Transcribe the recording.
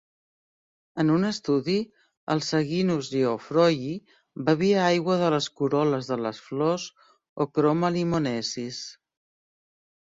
En un estudi, el "Saguinus geoffroyi" bevia aigua de les corol·les de les flors "Ochroma limonesis".